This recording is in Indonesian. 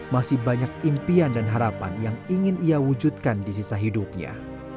masih banyak impian dan harapan yang ingin ia wujudkan di sisa hidupnya